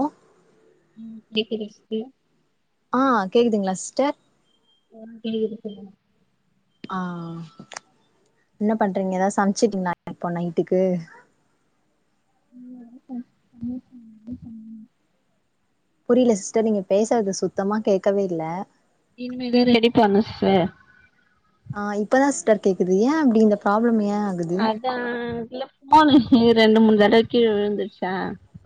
ஆ ம் கேக்குது ஸ்க்ளீரா ஆ கேக்குதுங்ளா சிஸ்டர் ம் கேக்குது சொல்லுங்க ஆ என்ன பண்றீங்க எதா சமைச்சிட்டீங்களா இப்போ நைட்டுக்கு [inaudible] புரில சிஸ்டர் நீங்க பேசறது சுத்தமா கேக்கவே இல்ல இனிமேதா ரெடி பண்ணு சிஸ்டர் ஆ இப்பதா சிஸ்டர் கேக்குது ஏ அப்டி இந்த ப்ராப்ளம் ஏ ஆகுது அதா இல்ல ஃபோனு ரெண்டு மூணு தடவ கீழ விழுந்துருச்சா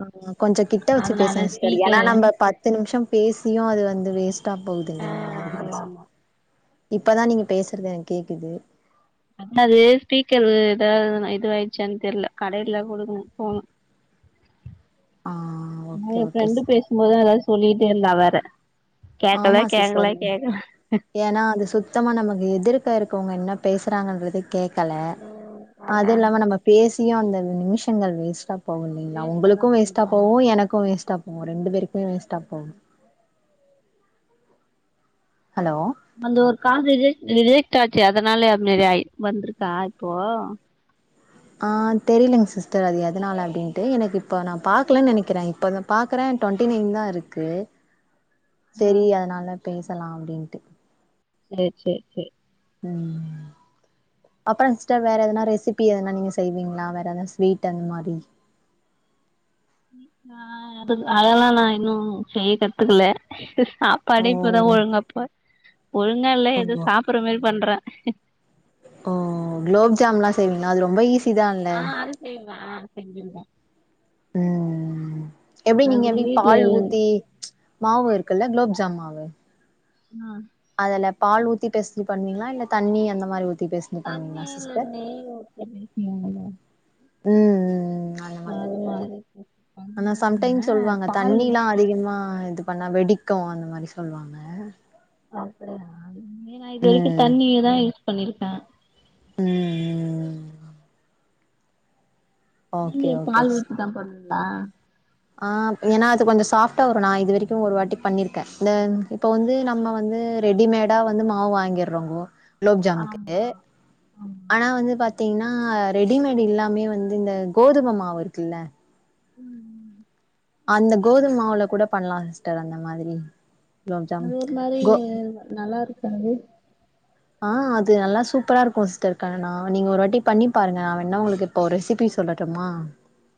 ஆ கொஞ்சோ கிட்ட வச்சி அதனால பேசுங்க சிஸ்டர் ஏன்னா ஸ்பீக்கரு நம்ப பத்து நிமிஷோ பேசியு அது வந்து வேஸ்ட் டா போகுது ஆ இல்லைங்களா அதுக்குதா ஆமா ஆமா இப்பதா நீங்க பேசறது எனக்கு கேக்குது அதா அது ஸ்பீக்கரு எதாவது இதுவாயிடுச்சான் தெர்ல கடைல குடுக்கணு ஃபோன் ஆ நா ஓகே என் ஓகே ஃப்ரண்டு சிஸ்டர் பேசமோதுதா எதா சொல்லிட்டே இருந்தா வேற கேக்கல ஆமா கேக்கல சிஸ்டர் கேக்கல ஏன்னா அது சுத்தமா நமக்கு எதிர்க்க இருக்கவங்க என்ன பேசுறாங்கன்றதே கேக்கல ம் அதா அது இல்லாம நம்ம பேசியு அந்த நிமிஷங்கள் வேஸ்டா போவு இல்லைங்ளா வேஸ்டாதா ஒங்களுக்கும் போது வேஸ்ட்டா ஆமா போவு எனக்கு வேஸ்ட்டா போவு ரெண்டு பேருக்குமே வேஸ்ட்டா போவு ஹலோ அந்த ஒரு காலு ரிஜ ரிஜெக்ட் ஆச்சே அதனால அந்த மேரி ஆயி வந்துருக்கா இப்போ ஆ தெரிலங் சிஸ்டர் அது எதனால அப்டின்ட்டு எனக்கு இப்போ நா பாக்கலன் நெனைக்கிற இப்பதா பாக்கற டொண்ட்டி நைன் தா இருக்கு ம் செரி அதனால பேசலா அப்டின்ட்டு சேர் செர் செ ம் அப்றோ சிஸ்டர் வேற எதனா ரெசிபி எதனா நீங்க செய்வீங்ளா வேற எதா ஸ்வீட் அந்த மாரி ஆ அது அதெல்லா நா இன்னு செய்ய கத்துக்கல படைப்புதா ஓ ஒழுங்காப்ப ஒழுங்கா இல்ல எதோ ஓ சாப்புற மேரி பண்ற ஓ க்லோப் ஜாம்ல்லா செய்வீங்ளா அது ரொம்ப ஈசி ஆ அது செய்வ ஆ செஞ்சிருக்க ம் எப்டி நீங்க அது எப்டி வீட்ல பால் ஊத்தி எல்லா மாவு இருக்குல்ல க்லோப்ஜாம் மாவு ஆ அதுல பால் ஊத்தி பெசஞ்சி பண்ணுவீங்ளா இல்ல தண்ணி அந்த மாரி ஊத்தி பெச தண்ணி இல்ல நெய் ஊத்தி பெசையவீங்களா ம் ம் அந்த மாரி மாறி மாறி ஆனா சம்டைம் சொல்வாங்க தண்ணில்லா அதிகமா இது பண்ணா வெடிக்கு அந்த மாரி சொல்வாங்க அப்டியா நா இது வரைக்கு ம் தண்ணியேதா யூஸ் பண்ணிருக்க ம் ம் நீங்க ஓகே ஓகே பால் சிஸ் ஊத்தி தா பண்ணுவிங்ளா ஆ ஏனா அது கொஞ்சோ சாஃப்டா வரு நா இது வரைக்கு ஒரு வாட்டி பண்ணிருக்க இந்த இப்ப வந்து நம்ம வந்து ரெடிமேடா வந்து மாவு வாங்கிறோங்கோ ஆமா குலோப்ஜாம்க்கு ஆமா ஆனா வந்து பாத்தீங்ன்னா ரெடிமேடு இல்லாமே வந்து இந்த கோதும மாவு இருக்குல்ல ம் ம் அந்த கோதும மாவுல கூட பண்ணலா சிஸ்டர் அந்த மாதிரி க்லோப் ஜாம் அது ஒரு மாரி கோ நல்லா இருக்கா அது ஆ அது நல்லா சூப்பரா இருக்கு சிஸ்டர் கண்ணனா நீங்க ஒரு வாட்டி பண்ணி பாருங்க நா வேனா ஒங்களுக்கு இப்போ ரெசிபி சொல்லட்டுமா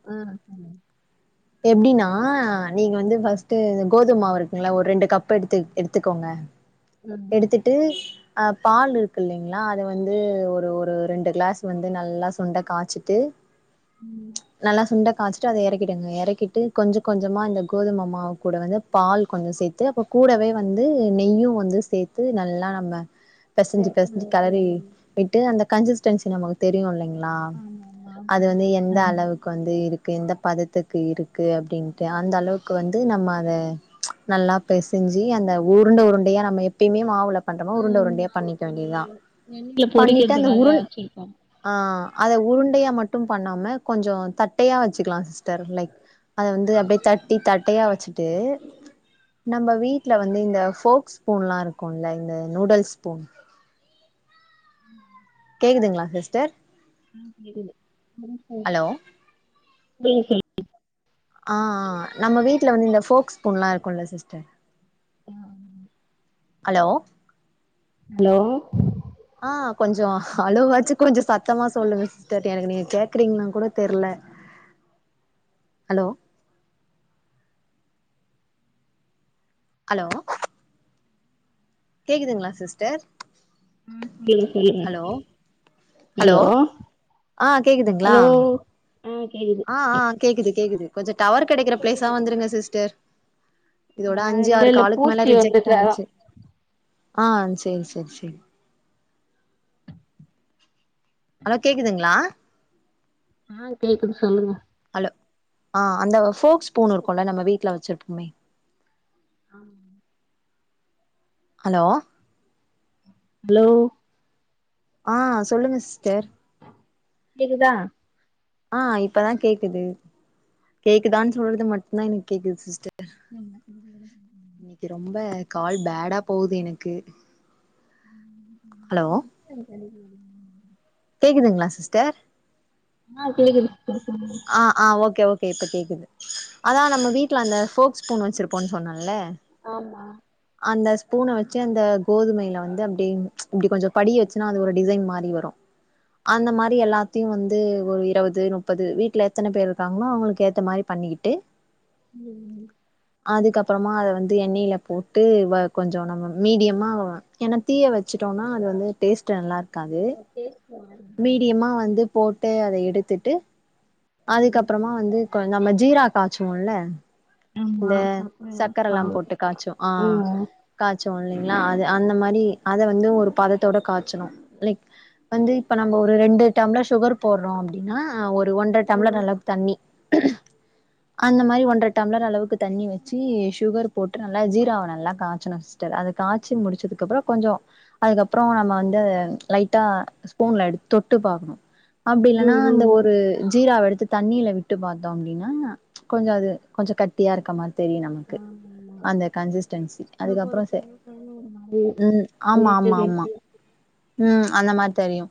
ஆ இப் எப்டின்னா நீங்க வந்து ஃபஸ்ட் கோதும்மாவு இருக்குள்ள ஒரு ரெண்டு கப் எடுத் எடுத்துக்கோங்க ம். எடுத்துட்டு அ பால் இருக்கு இல்லைங்களா அது வந்து ஒரு ஒரு ரெண்டு க்ளாஸ் வந்து நல்லா சுண்ட காச்சிட்டு ம் நல்லா சுண்ட காச்சிட்டு அத யறக்கிடுங்க ‌எற கிட்டு கொஞ்சோ கொஞ்சோமா இந்த கோதும மாவு கூட வந்து பால் கொஞ்சோ சேத்து அப்ப கூடவே வந்து நெய்யூ வந்து சேத்து நல்லா நம்ம சரி. பெசஞ்சு பெசஞ்சு ம். கலறி ம். விட்டு அந்த கன்சிஸ்டன்ஸி நமக்கு தெரியூ இல்லிங்களா ஆமாமா. அது ம். வந்து எந்த ம். அளவுக்கு வந்து இருக்கு எந்த பதத்துக் கு இருக்கு அப்பிடின்டு அந்த அளவுக்கு வந்து நம்ம அதெ நல்லா பெசஞ்சி அந்த உருண்டை உருண்டையா நம்ம எப்பேயூமே மாவுல பண்றோம உருண்டை உருண்டையா ஆமா. பண்ணிக்க வேண்டியதுதா அது எண்ணெயில பண்ணிட்டு அந்த பொறிக்கிறதுக்காக உருண் வச்சிருக்கோம். ஆ அத உருண்டையா மட்டூ பண்ணாம கொஞ்சோ தட்டயா வச்சுக்கலா சிஸ் டர் லைக் அத வந்து அப்பிடியே தட்டி தட்டையா வச்சுட்டு நம்ம வீட்ல வந்து இந்த ஃபோக்ஸ் ஸ்பூன்லா இருக்கூன்ல்ல இந்த நூடுல்ஸ் ஸ்பூன் ம் கேக்குதுங்களா சிஸ்டர் ம் கோக்குது எதூவூ செய்ல ஹலோ நீங் செய் ஹா ஹாங் நம்ம வீட்ல வந் இந்த ஃபோக்ஸ் ஸ்பூன்லா இருக்குல்ல சிஸ்டர் ஆமா ஹலோ ஹலோ ஆ கொஞ்சோ ஹலோ வாச்சூ கொஞ்சோ சத்தமா சொல்லுங்க சிஸ்டர் எனக்கு நீங்க கேக்கறீங்கனா கூட தெரியல ஹலோ ஹலோ கேக்குதுங்களா சிஸ்டர் ம் ஹூம் கோக்கலீங்க ஹலோ ஹலோ ஆ ஹலோவ் அ ஆ கேக்குது கேக்குது கொஞ்சோ டவர் கெடைக்கிற பிளேஸ்சா வந்துருங்க சிஸ்டர் இதோட ஆ அஞ்சு இல்ல ஆறு இல்ல காலுக்கு மேலே பூச்சி ரிஜெக்ட் வந்துருக்கு அதான். ஆயிட்ச்சு ஆ சேரி சேரி சேரி ஹலோ கேக்குதுங்களா ஆ கேக்குது சொல்லுங்க ஹலோ ஆ அந்த ஃபோக்ஸ் ஸ்பூன் இருக்குன்ல நம்ம வீட்ல வெச்சிருப்போமே ஆம் ஹலோ ஹலோவ் ஆ சொல்லுங்க சிஸ்டர் கேக்குதா ஆ இப்பே தா கேக்குது கேக்குதான்னு சொல்றது மட் தா எனக்கு கேக்குது சிஸ்டர் எல்லாத்தியூ கோளுங்க இன்னிக்கு ரொம்ப கால் பேடா போவ்து எனக்கு ம் ம் ஹலோ ம் சரி சரி விடுங்க கேக்குதுங்களா சிஸ்டர் ஆ கேக்குது [unintelligible] ஆ ஆ ஓகே ஓகே இப்ப கேக்குது அதா நம்ம வீட்ல அந்த போக்ஸ் ஸ்பூன் வெச்சிருப்போம் சொன்னல ஆமா அந்த ஸ்புன வெச்சு அந்த கோதுமையில வந்து அப்டின் இப்பிடி கொஞ்சோ படிய சினா அது ஒரு டிசைன் மாரி வரு அந்த மாதிரி எல்லாத்தியு வந்து ஒரு இருவது முப்பது வீட் ட்ல எத்தன பேரு இருக்காங்களோ அவுங்குளுக்கு ஏத்த மாரி பண்ணிக்கிட்டு இங்கே இருந்து அதுக் அப்புறமா அத வந்து எண்ணெயில போட்டு வ கொஞ்சோ நம்ம மீடியம்மா ஏன்னா தீய வெச்சிட்டோனா அது வந்து டேஸ்ட் நல்லா இருக்காது ஸ்டேட் வர்ராதுங்க மீடியம்மா வந்து போட்டு அத எடுத்துட்டு அதுக்கப்புறமா வந்து கொ நம்ம ஜீரா காய்ச்சுவோல ஆமா. இந்த சர்க்கர சக்கரல்லாம் பாகு. போட்டு காய்ச்சும் ஆ காச்சுவோம் இல்லைங்களா அது அந்த மாரி அத வந்து ஒரு பதத்தோட காச்சனும் லைக் வந்து இப்ப நம்ம ஒரு ரெண்டு டம்ளர் சுகர் போட்றோம் அப்டின்னா ஒரு ஒன்ற ஆ டம்ளர் அளவுக் தண்ணி அந்த மாரி ஒன்றர டம்ளர் அளவு க்கு தண்ணி வச்சி சுகர் போட்டு நல்லா ஜீராவ நல்லா காச்சணும் சிஸ்டர் அது காச்சி முடிச்சதுக்கப்புறோ கொஞ்சோ அதுக்கப்புறோ நம்ம வந்து லைட்டா ஸ்பூன்ல எடுத் தொட்டு பாக்ணு அப்டி இல்லனா ம் அந்த ம் ஒரு ஜீராவ எடுத்துட் தண்ணில விட்டு பாத்தோம் அப்டின்னா கொஞ்ச அது கொஞ்ச கட்டியா இருக்க மா தெரியு நமக்கு ஆமா ஆமா அந்த கன்சிஸ்டன்சி எனக்கு ஒரு அதுக்கப்புறோ செ கொழந்தைன்னு ஒரு மாரி ம் ஆமா கொஞ்ச ஆமா ஆமா கெட்டி ம் அந்த மாரி தெரியும்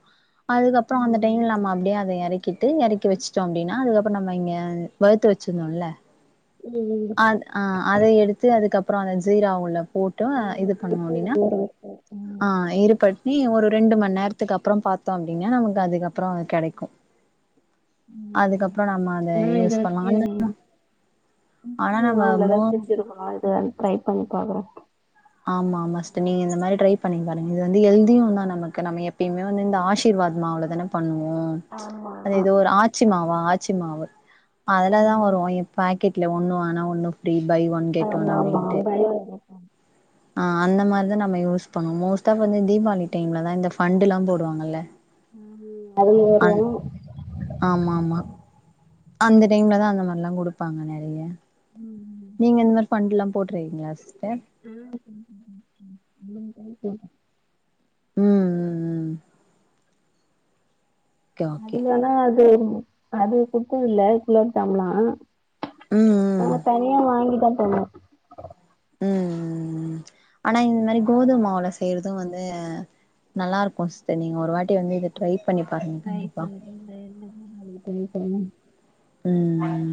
அதுக்கப்புறோ அந்த ம் டைம்ல நம்ம அப்டியே அத எறக்கி ட்டு எறக்கி வச்சுட்டோம் அப்டின்னா அதுக்கப்புறோ நம்ம இங்க வருத்து வச்சிருந்தோல ம் ஆ அத எடுத்து அதுக்கப்புளோ அந்த ஜீராவுள்ள போட் ட்டு ம் இது பண்ணுவோம் போட்டு அப்டின்னா ஊற வச்சே ம் ஆ இருபட் நீ ஒரு ரெண்டு மண் நேரத்துக்கு அப்புறோம் பாத்தோம் அப்டின்னா நமக்கு அதுக்கப்றோம் கெடைக்கும் ம் அதுக்கப்பறோம் நம்ம அத யூஸ் பண்லாண் ம் [unintelligible] மாவு நல்லா செஞ்சிருக்கணும் அத ட்ரை பண்ணி பாக்குறோ ஆமா மா சிஸ்டர் ஃபர்ஸ்ட் நீங்க இந்த மாரி ட்ரை பண்ணி பாருங்க இது வந்து ஹெல்தியும் தான் நமக்கு நம எப்பயுமே வந்து இந்த ஆஷிர்வாத் மாவுல தான பண்ணுவோ ம் ஆமா அது எதோ ஒரு ஆச்சி மாவாஆச்சி மாவு ஆமா அதுலதா வரும் பாக் கெட்ல ஒன்னு வாங்குனா ஒன்னும் ஃப்ரீ பை ஒன் கெட் ஆமா ஒன் ஆமா அப்டின்ட்டு பயோ இருக்கும். ஆ அந்த மாரி தா நம்ம யூஸ் பண்ணுவோ மோஸ்டா தீபாளி டைம்ல தான் இந்த பண்டுலாம் போடுவாங்கல்ல ஆம்மா அந் ஆமா ஆமா அந்த டைம்ல தா அந்த மாரிலா குடுப்பாங்க நெறைய நீங்க இந்த மாரி ஃபண்டுலா போட்ருக்கீங்ளா சிஸ்டர் ம் [inaudible] ம் ம் ம் ஓகே ஓகே அது வேனா அது அது குடுத்ததுல குளோப்சாம்லா ம் ம் ஆ தனியா வாங்கிட்ட தோழி ம் ஆனா இந்த மாரி கோதுமாவுல செய்றதும் வந்து நல்லாருக்கும் சிஸ்டர் நீங்க ஒரு வாட்டி வந்து இத ட்ரை பண்ணி பாருங்க ட்ரை கண்டிப்பா [unintelligible] ம்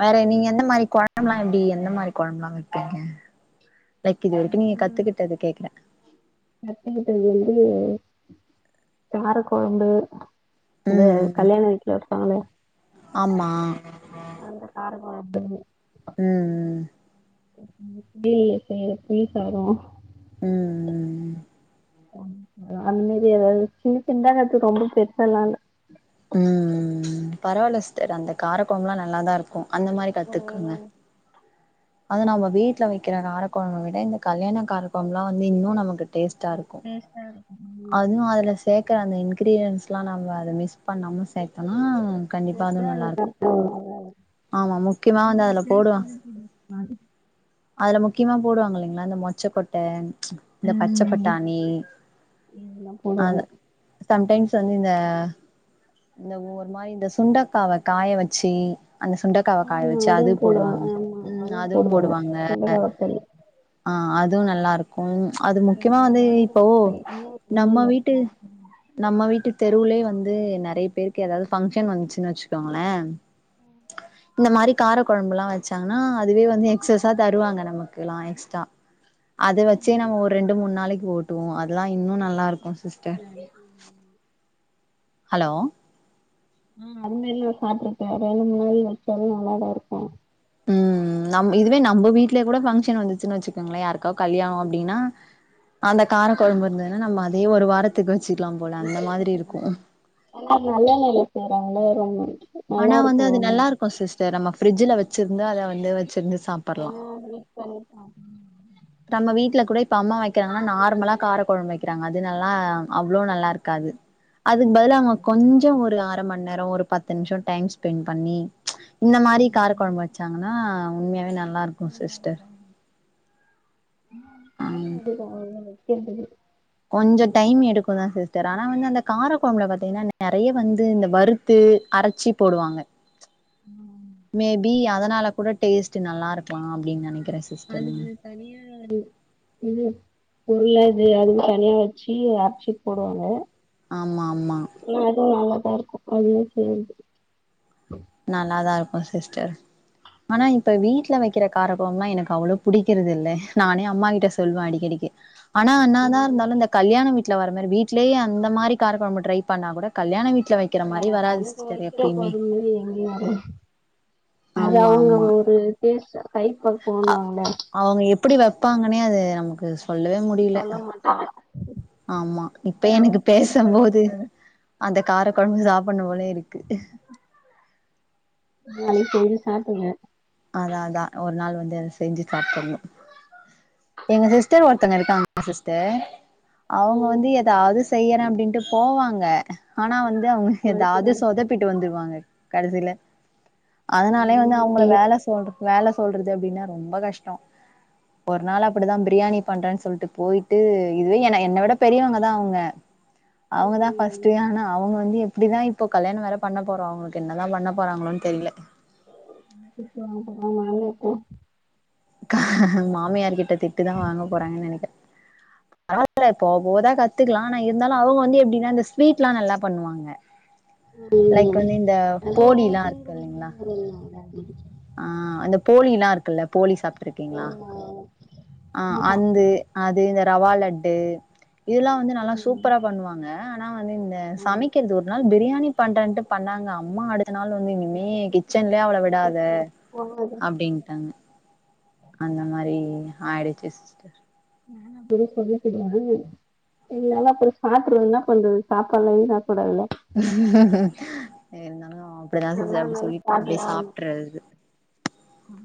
வேற நீங்க எந்த மாரி கொழம்புலா எப்டி எந்த மாரி கொழம்புலா வெப்பீங்க லைக் இது வரைக்கும் நீங்க கத்துக்கிட்டது கேக்குற கத்துக்கிட்டது வந்து கார கொழம்பு இந்த ம் ம் கல்யாண வீட்ல வெப்பாங்களே ஆமா அந்த கார கொழம்பு ம்ம் [unintelligible] புளி சாத ம் ம் அந்த மேரி ஏதாவது சின்ன சின்தா கத்து ரொம்ப பெருசாலா இல்ல ம் ம்பரவால்ல சிஸ்டர் அந்த கார கொழம்புலா நல்லாதா இருக்கும் அந்த மாரி கத்துக்குங்க அது நம்ம வீட்ல வெக்கிற காரக்கொழம்ப விட இந்த கல்யாண காரக்கொழம்புலா வந்து இன்னு நமக்கு டேஸ்ட்டா இருக்கும் டேஸ்டா இரு ம் இன்னோ அதுல சேர்க்கற அந்த இன்கிரீடியன்ஸ்லா நம்ம அத மிஸ் பண்ணாம சேர்த்தோனா சேத்தா அது கரெக்டா வரு [unintelligible] ஆமா முக்கியமா எனக்கு வந்து எய அதுல ஃபேஸ் போடுவா ஓட்ட தெரியாது [unintelligible] அதுல முக்யமா போடுவாங்க இல்லங்ளா இந்த மொச்ச கொட்ட இந்த பச்ச பட்டாணி ம் ல அதா சம்டைம்ஸ் வந்து இந்த இந்த ஒரு மாதிரி இந்த சுண்டக்காவ காய வச்சு அந்த சுண்டக் காய் வச்சு அதுவு போடுவாங்க ம் அதுவு போடுவாங்க ஆ அதுவு நல்லா இருக்கும் ம் அது முக்கியமா இந்த வந்து வடக இப்போ வத்தல் இன்னொ நம்ம இன்னொன்னு வீட்டு இருக்கு அது நம்ம வீட்டு தெருவுலயே வந்து நெறைய பேருக்கு ஏதாவது ஃபஃங்க்ஷன் வந்துச்சுன்னு வச்சுக்கோங்கள இந்த மாதிரி காரக்குழம்புல்லா வச்சாங்கன்னா அதுவே வந்து எக்ஸஸா தருவாங்க நமக்கு எல்லா எக்ஸ்ட்ரா அது வச்சே நம்ம ஒரு ரெண்டு மூணு நாளைக்கு வோட்டுவோ அதெல்லா இன்னு நல்லா இருக்கும் சிஸ்டர் [unintelligible] ஹலோ ம்ம் அதுமாரியு சாப்டுருக்க ரெண்டு மூணு நாள் வச்சாலு நல்லா தா இருக்கும் ம் நம் இதுவே நம்ப வீ்ட்ல கூட ஃபங்க்ஷன் வந்துச்சுன்னா வச்சுக்கோங்களே யாருக்கோ கல்யாண அப்டின்னா அந்த கார குழம்பு இருந்ததுன்னா நம்ம அதே ஒரு வாரத்துக்கு வச்சுக்கலா போல அந்த மாதிரி இருக்கும் ஆனா அது நல்ல எண்ணெயில செய்றாங்கள்ல [unintelligible] ஆனா வந்து அது நல்லா இருக்கும் சிஸ்டர் நம்ம ஃப்ரிட்ல வச்சிருந்தா அத வந்து வச்சிருந்து சாப் ஓ சேர்ப்பா [unintelligible] நம்ம வீட்டுல கூட இப்ப அம்மா வைக்கிறாங்கன்னா நார்மலா கார குழம்பு வைக்கிறாங்க அது நல்லா அவ்ளோ நல்லா இருக்காது அதுக்கு பதில்லா அவங்க கொஞ்சோ ஒரு அர ம நேர ஒரு பத்து நிமிஷ டைம் ஸ்பெண்ட் பண்ணி இந்த மாதிரி கார குழம்பு வச்சாங்கன்னா உண்மையாவே நல்லா இருக்கும் ம்ம் ஆமா ஆமா [unintelligible] ஆ டைம் எடுக்கு வைக்கிறதுக்கு கொஞ்ச டைம் எடுக்கும் தா சிஸ்டர் ஆனா வந்து அந்த காரக்குழம்புல பார்த்தீங்கன்னா நெறைய வந்து இந்த வரு த்து அரச்சி போடுவாங்க மேபி அதுனால கூட டேஸ்ட் நல்லா இருக்கலா அப்டின்னு நெனைக்கிற அதுக்கு தனியா அது ம் பொருள்ளா இது அதுவும் தனியா வச்சு அரச்சு போடுவாங்க ஆமா ஆமா ம் அதுவும் நல்லாதா இருக்கும் அதுவே செய்றது நல்லாதா இருக்கும் சிஸ்டர் ஆனா இப்ப வீட்ல வக்கிற கார கொழம்புலா எனக்கு அவ்வளோ புடிக்கறது இல்ல நானே அம்மாக்கிட்ட சொல்வ அடிக்கடி க்கி ஆனா என்னா தா ம் இருந்தாலு இந்த கல்யாண வீட்ல வர மாரி வீட்லயே அந்த மாரி கார கொழம்பு ட்ரை பண்ணா கூட கல்யாண வீட்ல வ வேற [inaudible] போனு எங்கியு ஒரு அது ஆமா அவுங்க ஒரு டேஸ்ட்டா கைப்ப ஆ அவுங்க எப்படி வப்பாங்கன்னே அது நமக்கு சொல்லவே முட் சொல்ல மாட்டாங்க ஆமா இப்ப ஏ அவங்க எனக்கு சொல்லி பேசும் போது அந்த கார கொழம்பு சாப்புட்ணு போலயே இருக்கு நாளைக்கு செஞ்சி சாப்டுங்க அதா அதா ஒரு நாள் வந்து அத செஞ்சு சாப்புட்ணு எங்க சிஸ்டர் ஒருத்தவங்க இருக்காங்க சிஸ்டர் அவுங்க ம் வந்து ஏதாது என்ன செய்யற அப்டின்ட்டு போவாங்க ஆனா வந்து அவுங்க ஏதாவது கொழப்பிடாம சொதப்பிட்டு வந்துருவாங்க கடைசில அதனாலயே வந்து அப்டி அவுங்கள வேல சொல்ற வேல சொல்றது அப்டின்னா ரொம்ப கஷ்டோ ஒரு நாள் அப்டிதா பிரியாணி பண்றேன்னு சொல்லிட்டு போயிட்டு இதுவே என் என்ன விட பெரியவங்கதா அவுங்க அவுங்கதா ஃபஸ்ட்டு ஆனா அவுங்க வந்து எப்டிதா இப்போ கல்யாண வேற பண்ணப் போறோ அவங்களுக்கு என்னதா பண்ணப் போறாங்களோன் தெரியல திட்டு வாங்க போறாங்க அவுங்க மாமியார்ட்ட மாமியார் கிட்ட திட்டுதா வாங்க போறாங்கன்னு நெனைக்கற பரவால்ல இப்போ போதா கத்துக்கலா ஆனா இருந்தாலு அவுங்க வந்து எப்டின்னா இந்த ஸ்வீட் எல்லா நல்லா பண்ணுவாங்க லைக் வந்து இந்த போலி எல்லா இருக்கு இல்லீங்களா ம் ஆ அந்த போலில்லா இருக்குல்ல போலி சாப்ட்ருக்கீங்களா ஆ அந்து அது இந்த ரவா லட்டு இதெல்லா வந்து நல்லா சூப்பரா பண்ணுவாங்க ஆனா வந்து இந்த சமைக் கறது ஒரு நாள் பிரியாணி பண்றன்ட்டு பண்ணாங்க அம்மா அடுத் த நாள் வந்து இனிமே கிச்சன்லயே அவள விடாத அப்டின்ட்டாங்க அந்த மாரி ஆயிடுச்சி சிஸ்டர் வேணா அப்பயே சொல்லிருக்கலாம்ல எல்லாரு அப்புறோ சாப்ட்டுறனு இன்னா பண்றது சாப்பாலன்னையு சாப்பிடல இருந்தாலு அப்டிதா சிஸ்ட அப்டி சொல்லி அப்டியே சாப்ட்றது ம்